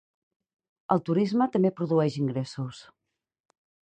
El turisme també produeix ingressos.